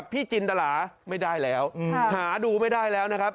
พี่จินตราไม่ได้แล้วหาดูไม่ได้แล้วนะครับ